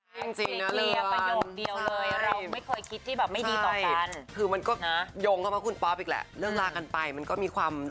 ให้มีความคิดที่ไม่ดีต่อกันนะเราอยากจะส่งเสริมกันมากกว่า